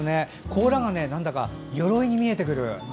甲羅がよろいに見えてくる。